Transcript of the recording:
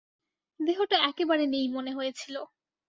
দেহটা একেবারে নেই মনে হয়েছিল।